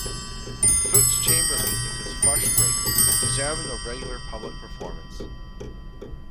Foote's chamber music is first rate, deserving of regular public performance.